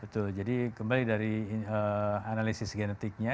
betul jadi kembali dari analisis genetiknya